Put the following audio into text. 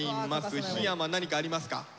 檜山何かありますか？